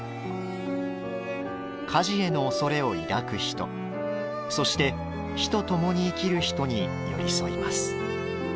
火事への恐れを抱く人そして、火とともに生きる人に寄り添います。